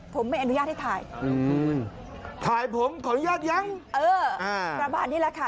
ผมไม่อนุญาตให้ถ่ายถ่ายผมขออนุญาตยังเออประมาณนี้แหละค่ะ